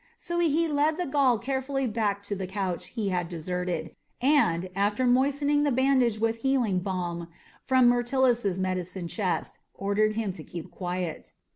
So he led the Gaul carefully back to the couch he had deserted, and, after moistening the bandage with healing balm from Myrtilus's medicine chest, ordered him to keep quiet.